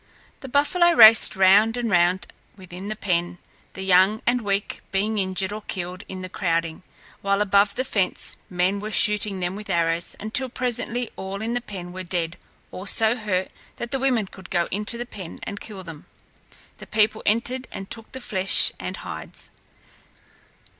The buffalo raced round and round within the pen, the young and weak being injured or killed in the crowding, while above the fence men were shooting them with arrows until presently all in the pen were dead, or so hurt that the women could go into the pen and kill them. The people entered and took the flesh and hides.